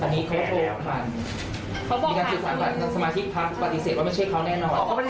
อันนี้เขาโทรหาแล้วมีการสื่อสารสมาธิกภักดิ์ปฏิเสธว่าไม่ใช่เขาแน่นอน